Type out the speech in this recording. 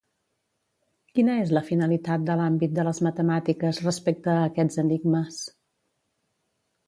Quina és la finalitat de l'àmbit de les matemàtiques respecte a aquests enigmes?